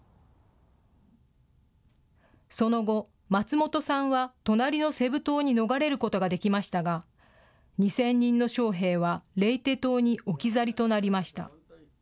その後、松本さんは隣のセブ島に逃れることができましたが、２０００人の将兵はレイテ島に置き去りとなりました。